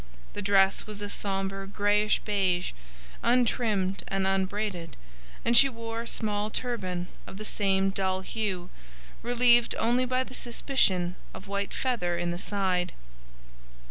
The dress was a sombre greyish beige, untrimmed and unbraided, and she wore a small turban of the same dull hue, relieved only by a suspicion of white feather in the side.